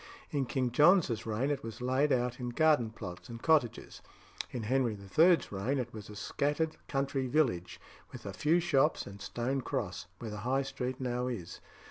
In King John's reign it was laid out in garden plots and cottages. In Henry III.'s reign it was a scattered country village, with a few shops and a stone cross, where the High Street now is.